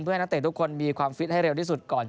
เพื่อให้นักเตะทุกคนมีความฟิตให้เร็วที่สุดก่อน